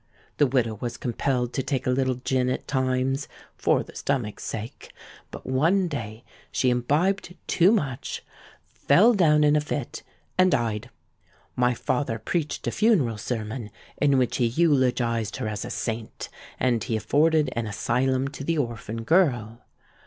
The widow was compelled to take a little gin at times 'for the stomach's sake;' but one day she imbibed too much, fell down in a fit, and died. My father preached a funeral sermon, in which he eulogised her as a saint; and he afforded an asylum to the orphan girl.